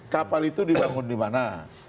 kapal itu dibangun di mana